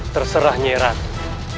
terserah nyai ratu